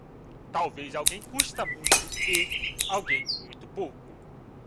Talvez alguém custa muito e alguém muito pouco.